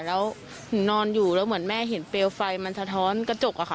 แล้วหนูนอนอยู่แล้วเหมือนแม่เห็นเปลวไฟมันสะท้อนกระจกอะค่ะ